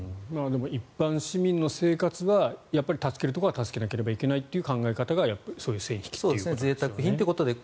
でも、一般市民の生活は助けるところは助けなければいけないという考え方がそういう線引きということですね。